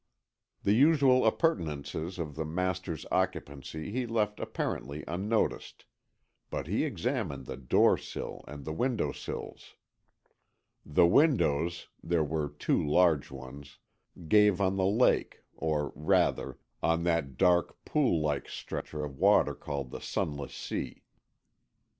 The usual appurtenances of the master's occupancy he left apparently unnoticed, but he examined the door sill and the window sills. The windows, there were two large ones, gave on the lake, or rather, on that dark pool like stretch of water called the Sunless Sea.